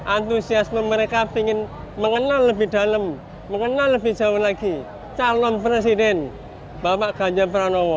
antusiasme mereka ingin mengenal lebih dalam mengenal lebih jauh lagi calon presiden bapak ganjar pranowo